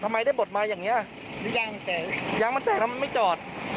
ทำไมได้บดมาอย่างเงี้ยหรือยังแตกยางมันแตกแล้วมันไม่จอด